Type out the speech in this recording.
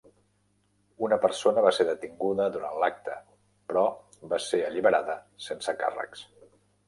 Una persona va ser detinguda durant l'acte però va ser alliberada sense càrrecs.